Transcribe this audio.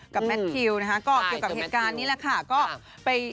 แมททิวนะคะก็เกี่ยวกับเหตุการณ์นี้แหละค่ะก็ไป